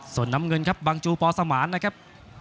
ส่วนน้ำเงินครับบังจูปอสมานนะครับ